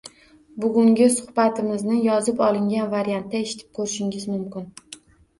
Bugungi suhbatimizni yozib olingan variantda eshitib koʻrishingiz mumkin.